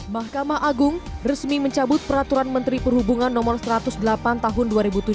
mahkamah agung resmi mencabut peraturan menteri perhubungan no satu ratus delapan tahun dua ribu tujuh belas